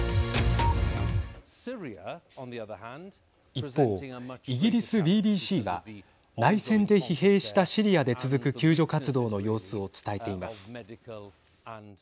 一方、イギリスＢＢＣは内戦で疲弊したシリアで続く救助活動の様子を伝えています。